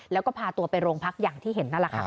แล้วก็พาตัวไปโรงพักอย่างที่เห็นนั่นแหละค่ะ